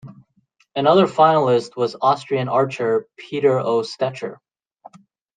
Another finalist was Austrian archer, Peter O. Stecher.